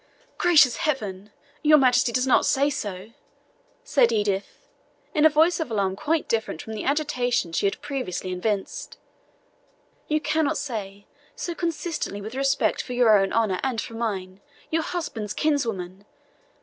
"Gracious Heaven! your Majesty does not say so?" said Edith, in a voice of alarm quite different from the agitation she had previously evinced, "you cannot say so consistently with respect for your own honour and for mine, your husband's kinswoman!